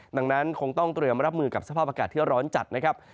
ดังนั้นคงต้องเตรียมรับมือกับสภาพอากาศที่ร้อนจัดนะครับ